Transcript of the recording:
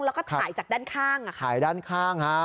แล้วก็ถ่ายจากด้านข้างอ่ะถ่ายด้านข้างฮะ